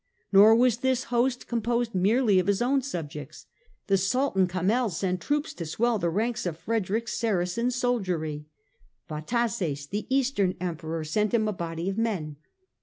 Nor was this host composed merely of his own subjects. The Sultan Kamel sent troops to swell the ranks of Frederick's Saracen soldiery. Vataces, the Eastern Emperor, sent him a body of men.